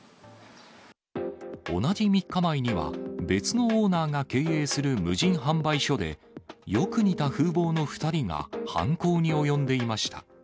同じ３日前には、別のオーナーが経営する無人販売所で、よく似た風貌の２人が犯行に及んでいました。